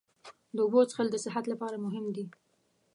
د اوبو څښل د صحت لپاره مهم دي.